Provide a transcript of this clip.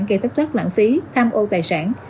gây thất thoát lãng phí tham ô tài sản